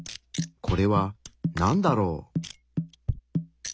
これはなんだろう？